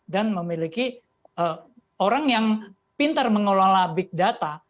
dan memiliki orang yang pintar mengelola big data